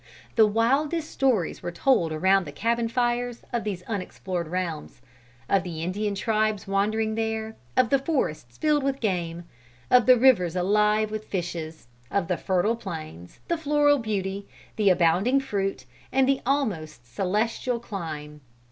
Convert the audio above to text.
The wildest stories were told around the cabin fires, of these unexplored realms, of the Indian tribes wandering there; of the forests filled with game; of the rivers alive with fishes; of the fertile plains, the floral beauty, the abounding fruit, and the almost celestial clime.